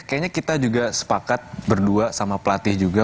kayaknya kita juga sepakat berdua sama pelatih juga